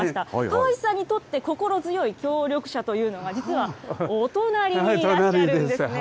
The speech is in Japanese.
河内さんにとって、心強い協力者というのが、実は、お隣にいらっしゃるんですね。